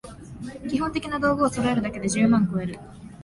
基本的な道具をそろえるだけで十万こえる